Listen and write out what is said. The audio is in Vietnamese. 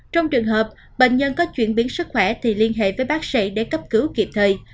trong trường hợp bệnh nhân có chuyển biến sức khỏe thì liên hệ với bác sĩ để cấp cứu kịp thời